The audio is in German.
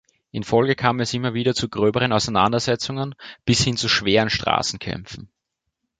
In Folge kam es immer wieder zu gröberen Auseinandersetzungen, bis hin zu schweren Straßenkämpfen.